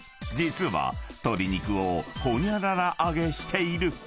［実は鶏肉をホニャララ揚げしている］